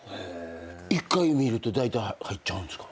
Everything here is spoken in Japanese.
１回見るとだいたい入っちゃうんですか？